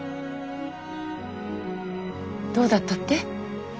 どうだったって？